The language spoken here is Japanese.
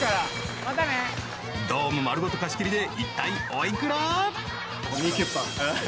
ドーム丸ごと貸し切りで一体、おいくら？